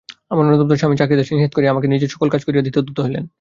আমার অনুতপ্ত স্বামী চাকরদাসীকে নিষেধ করিয়া নিজে আমার সকল কাজ করিয়া দিতে উদ্যত হইলেন।